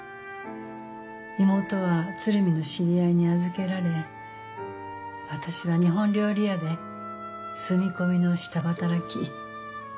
妹は鶴見の知り合いに預けられ私は日本料理屋で住み込みの下働き。